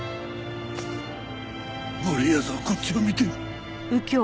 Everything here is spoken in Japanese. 悪い奴がこっちを見てる。